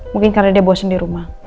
mungkin karena dia bosen dirumah